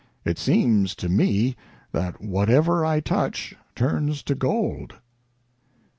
It seems to me that whatever I touch turns to gold." XLVIII.